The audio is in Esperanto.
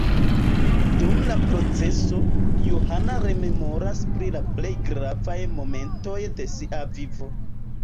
Dum la proceso, Johana rememoras pri la plej gravaj momentoj de sia vivo.